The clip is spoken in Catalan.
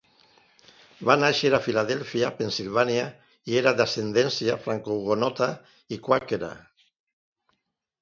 Va néixer a Filadèlfia (Pennsilvània) i era d'ascendència francohugonota i quàquera.